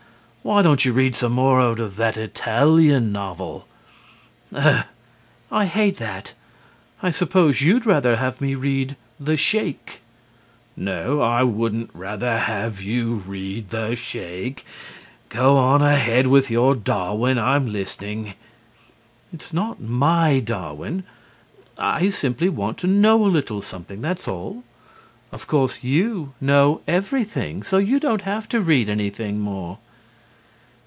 Why don't you read some more out of that Italian novel? WIFE: Ugh! I hate that. I suppose you'd rather have me read "The Sheik." HUSBAND (nastily): No I wouldn't rather have you read "The Sheik." Go on ahead with your Darwin. I'm listening. WIFE: It's not my Darwin. I simply want to know a little something, that's all. Of course, you know everything, so you don't have to read anything more.